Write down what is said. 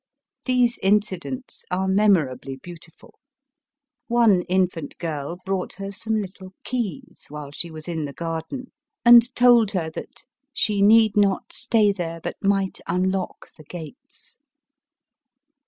These incidents are memora bly beautiful. One infant girl brought her some little keys, while she was in the garden, and told her that 292 ELIZABETH OF ENGLAND. " she need not stay there, but might unlock the gates."